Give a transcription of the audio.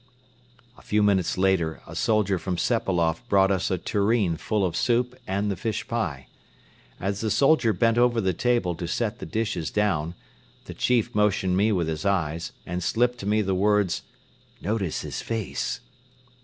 A few minutes later a soldier from Sepailoff brought us a tureen full of soup and the fish pie. As the soldier bent over the table to set the dishes down, the Chief motioned me with his eyes and slipped to me the words: "Notice his face."